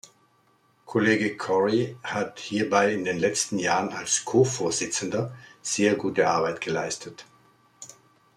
Kollege Corrie hat hierbei in den letzten Jahren als Ko-Vorsitzender sehr gute Arbeit geleistet.